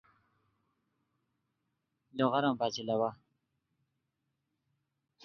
لوغاران بچین لواہ